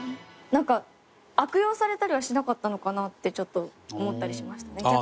なんか悪用されたりはしなかったのかなってちょっと思ったりしましたね。